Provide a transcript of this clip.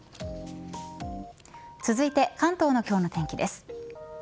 続いて関東の今日の天気です。